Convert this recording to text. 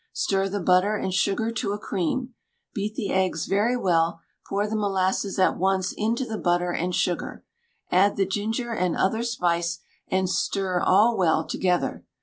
Stir the butter and sugar to a cream; beat the eggs very well; pour the molasses at once into the butter and sugar. Add the ginger and other spice, and stir all well together.